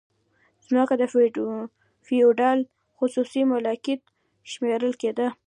ځمکه د فیوډال خصوصي ملکیت شمیرل کیده.